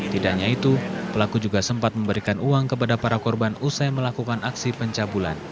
tidak hanya itu pelaku juga sempat memberikan uang kepada para korban usai melakukan aksi pencabulan